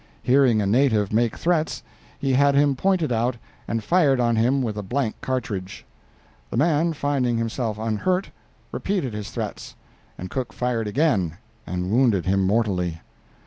Hearing a native make threats, he had him pointed out, and fired on him with a blank cartridge. The man, finding himself unhurt, repeated his threats, and Cook fired again and wounded him mortally.